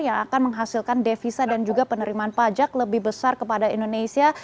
yang akan menghasilkan devisa dan juga penerimaan pajak lebih besar kepada indonesia